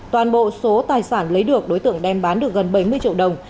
toàn bộ số tài sản lấy được đối tượng đem bán được gần bảy mươi triệu đồng